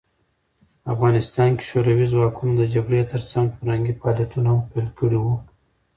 په افغانستان کې شوروي ځواکونه د جګړې ترڅنګ فرهنګي فعالیتونه هم پیل کړي وو.